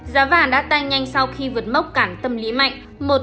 giá vàng đã tanh nhanh sau khi vượt mốc cản tâm lý mạnh